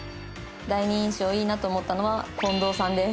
「第二印象いいなと思ったのはこんどうさんです」